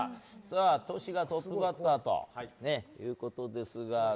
トシがトップバッターということですが。